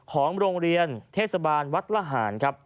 หองโรงเรียนเทศบาลวัตรหาร